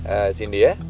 ehm sindi ya